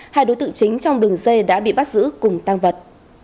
hai đối tượng chính trong đường dây đã bị bắt giữ cùng tăng vật